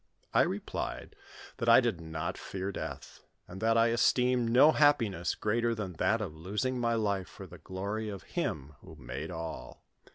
I replied, that I did not fear death, and that I esteemed no happiness greater than that of losing my life for the glory of Him who made all.